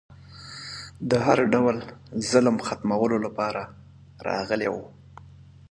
د هر ډول ظلم ختمولو لپاره راغلی و